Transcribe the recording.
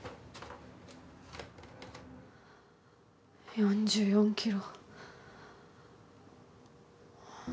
４４キロ。